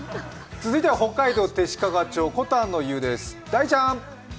続いては北海道弟子屈町、コタンの湯です。